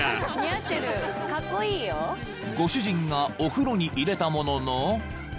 ［ご主人がお風呂に入れたものの］